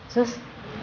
sus minum ya